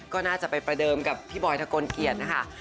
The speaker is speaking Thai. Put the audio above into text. ก็น่าไปเปรดิดกับพี่บอยทะกนเกียจนะคะ